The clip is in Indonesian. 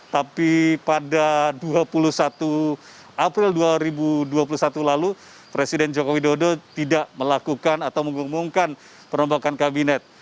tapi pada dua puluh satu april dua ribu dua puluh satu lalu presiden joko widodo tidak melakukan atau mengumumkan perombakan kabinet